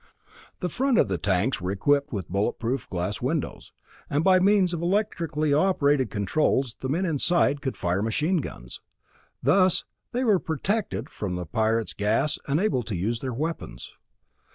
The front of the tanks were equipped with bullet proof glass windows, and by means of electrically operated controls the men inside could fire machine guns. Thus they were protected from the Pirate's gas and able to use their weapons.